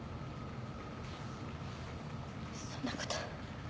そんなこと。